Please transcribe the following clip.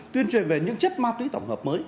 tuyên truyền về những chất ma túy tổng hợp mới